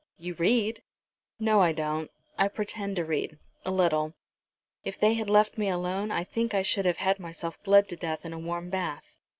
"You read." "No, I don't. I pretend to read a little. If they had left me alone I think I should have had myself bled to death in a warm bath.